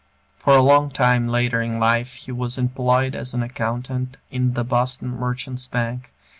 For a long time later in life he was employed as an accountant in the Boston Merchants' Bank.